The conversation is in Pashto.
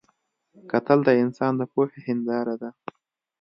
کتل د انسان د پوهې هنداره ده